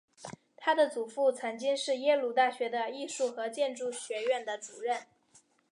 她的祖父曾经是耶鲁大学的艺术和建筑学院的主任。